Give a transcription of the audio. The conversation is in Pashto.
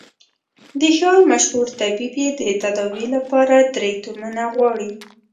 د ښار مشهور طبيب يې د تداوي له پاره درې تومنه غواړي.